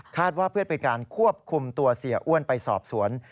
ว่าเพื่อเป็นการควบคุมตัวเสียอ้วนไปสอบสวน